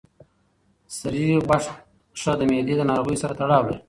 سرې غوښه د معدې د ناروغیو سره تړاو لري.